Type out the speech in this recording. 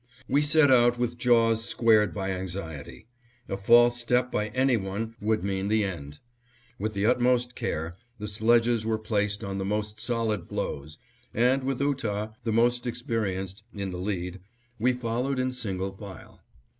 We set out with jaws squared by anxiety. A false step by any one would mean the end. With the utmost care, the sledges were placed on the most solid floes, and, with Ootah, the most experienced, in the lead, we followed in single file.